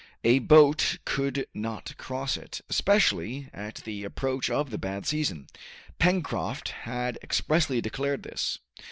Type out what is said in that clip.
A boat could not cross it, especially at the approach of the bad season. Pencroft had expressly declared this.